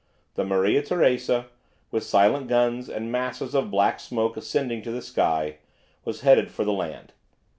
The "Maria Teresa," with silent guns and masses of black smoke ascending to the sky, was headed for the land.